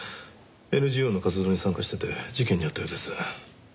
ＮＧＯの活動に参加していて事件に遭ったようです。